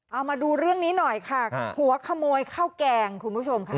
เอามาดูเรื่องนี้หน่อยค่ะหัวขโมยข้าวแกงคุณผู้ชมค่ะ